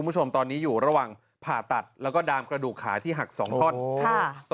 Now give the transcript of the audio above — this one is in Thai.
นี่นี่นี่นี่นี่นี่นี่นี่นี่นี่นี่นี่